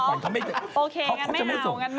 โอเคงั้นไม่เอา